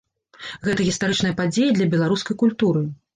Гэта гістарычная падзея для беларускай культуры.